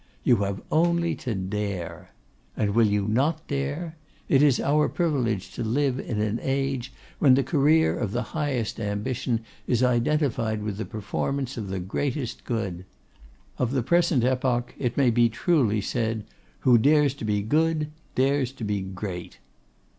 You have only to dare. And will you not dare? It is our privilege to live in an age when the career of the highest ambition is identified with the performance of the greatest good. Of the present epoch it may be truly said, "Who dares to be good, dares to be great."